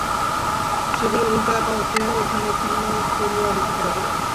সেগুলি উলটাইয়া পালটাইয়া এখানে ওখানে পড়িয়া দেখিতে লাগিলেন।